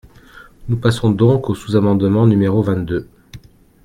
Nous passons donc au sous-amendement numéro vingt-deux.